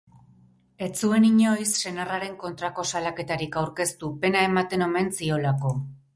Ez zuen inoiz senarraren kontrako salaketarik aurkeztu, pena ematen omen ziolako.